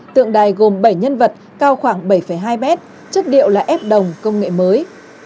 tượng đài gồm bảy nhân vật cao khoảng bảy hai mét chất điệu là ép đồng công nghệ mới